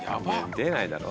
出ないだろ。